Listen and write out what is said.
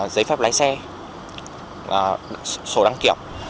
giấy phép lái xe sổ đăng kiểu